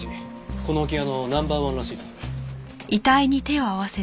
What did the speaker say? この置屋のナンバーワンらしいです。